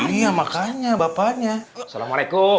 kau bukannya tapi mattelnya dihabisin